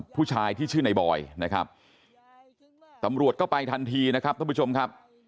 ผู้ชายที่ชื่อในบอยนะครับตำรวจก็ไปทันทีนะครับท่านผู้ชมครับ